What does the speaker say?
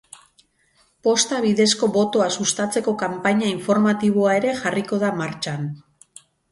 Posta bidezko botoa sustatzeko kanpaina informatiboa ere jarriko da martxan.